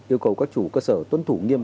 yêu cầu các chủ cơ sở tuân thủ nghiêm